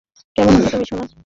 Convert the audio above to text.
কেমন আছো তুমি, সোনা?